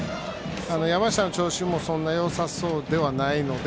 山下の調子もそんなによさそうではないので